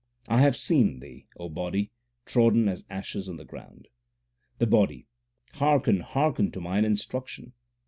I have seen thee, O body, trodden as ashes on the ground. The Body : Hearken, hearken to mine instruction.